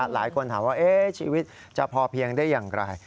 หลายคนถามว่าชีวิตจะพอเพียงได้อย่างไร